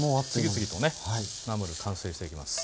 次々とねナムル完成していきます。